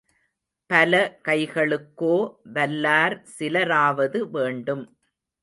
பல கைகளுக்கோ, வல்லார் சிலராவது வேண்டும்.